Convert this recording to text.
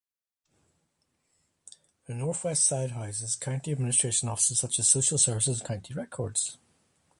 The Northwest side houses county administrative offices such as social services and county records.